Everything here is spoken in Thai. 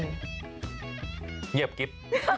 เงียบกิ๊บ